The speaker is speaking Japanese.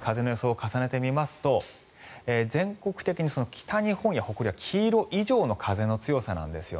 風の予想を重ねてみますと全国的に北日本や北陸は黄色以上の風の強さなんですね。